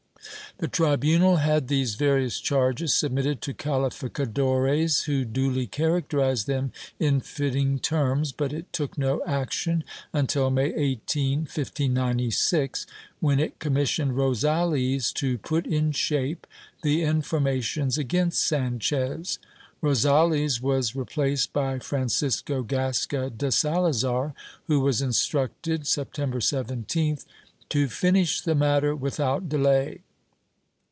^ The tribunal had these various charges submitted to califica dores, who duly characterized them in fitting terms, but it took no action until May 18, 1596, when it commissioned Rosales to put in shape the informations against Sdnchez. Rosales was replaced by Francisco Gasca de Salazar, who was instructed, Sep tember 17th, to finish the matter without delay.